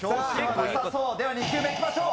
では２球目行きましょう。